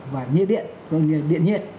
và nhiệt điện có nghĩa là điện nhiệt